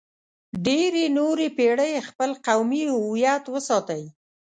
ډېرې نورې پېړۍ خپل قومي هویت وساتئ.